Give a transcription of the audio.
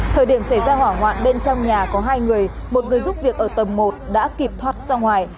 thời điểm xảy ra hỏa hoạn bên trong nhà có hai người một người giúp việc ở tầng một đã kịp thoát ra ngoài